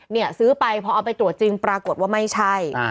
เนี่ยซื้อไปพอเอาไปตรวจจริงปรากฏว่าไม่ใช่